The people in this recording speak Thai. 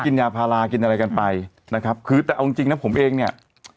กินยาพารากินอะไรกันไปนะครับคือแต่เอาจริงจริงนะผมเองเนี่ย